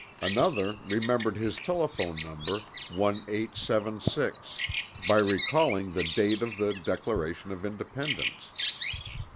Another remembered his telephone number "1876" by recalling the date of the Declaration of Independence.